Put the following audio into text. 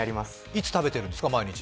いつ食べてるんですか？